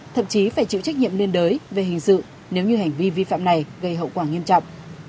thậm chí phải chịu trách nhiệm liên đới về hình sự nếu như hành vi vi phạm này gây hậu quả nghiêm trọng